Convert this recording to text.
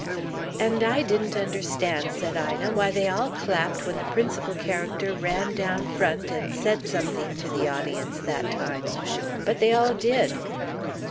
"And I didn't understand," said Ina, "why they all clapped when the principal character ran down front and said something to the audience that time. But they all did."